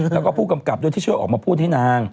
แล้วก็ผู้กำกับด้วยที่ช่วยออกมาพูดให้นาง